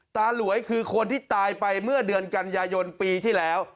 หลวยคือคนที่ตายไปเมื่อเดือนกันยายนปีที่แล้ว